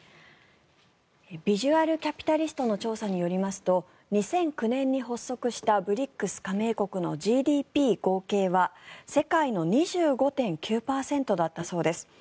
ビジュアルキャピタリストの調査によりますと２００９年に発足したＢＲＩＣＳ加盟国のＧＤＰ合計は世界の２５．９％だったそうです。